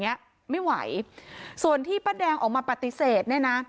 เนี้ยไม่ไหวส่วนที่ป้าแดงออกมาปฏิเสธเนี่ยนะ